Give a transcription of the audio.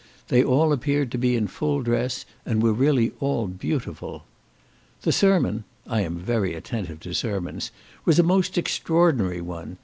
They all appeared to be in full dress, and were really all beautiful. The sermon (I am very attentive to sermons) was a most extraordinary one.